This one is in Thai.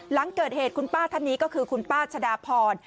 หลังเกิดเหตุคุณป้าท่านนี้ก็คือคุณป้าชะดาพร